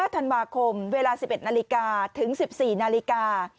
ธันวาคมเวลา๑๑นาฬิกาถึง๑๔นาฬิกา